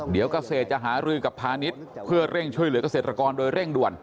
เดี๋ยวกระเศษจะหารืกกับพาณิชย์เพื่อเร่งช่วยเหลือกระเสริมการโดยเร่งด่วน